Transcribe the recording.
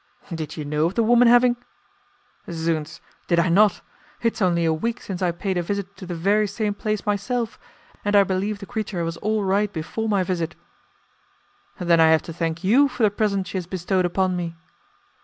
"Did you know of the woman having ...?" "Zounds! Did I not? It is only a week since I paid a visit to the very same place myself, and I believe the creature was all right before my visit." "Then I have to thank you for the present she has bestowed upon me."